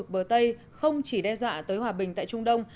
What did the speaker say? bờ tây không chỉ đe dọa tới hòa bình tại trung đông